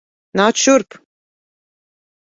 Nāc šurp.